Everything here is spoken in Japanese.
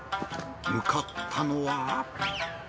向かったのは。